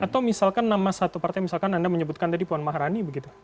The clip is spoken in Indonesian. atau misalkan nama satu partai misalkan anda menyebutkan tadi puan maharani begitu